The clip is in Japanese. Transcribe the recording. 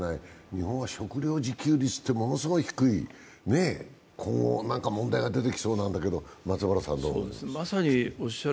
日本は食料自給率がものすごく低い、今後何か問題が出てきそうなんだけど、松原さん、どう思いますか？